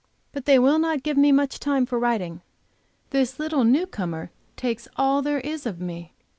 But they will not give me much time for writing. This little new comer takes all there, is of me.